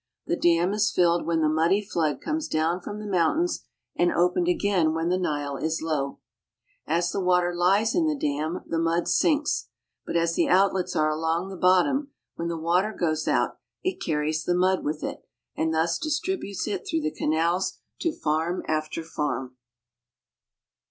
The dam is filled when the muddy flood comes down from the mountains, and opened again when the Nile is low. As the water lies in the dam, the mud sinks ; but as the out lets are along the bottom, when the water goes out it carries the mud with it, and thus distributes it through the canals to farm after farm.